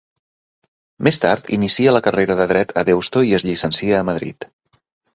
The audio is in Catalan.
Més tard, inicia la carrera de dret a Deusto i es llicencia a Madrid.